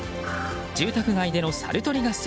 住宅街でのサルトリ合戦